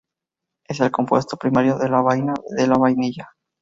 Es el compuesto primario de la vaina de la vainilla.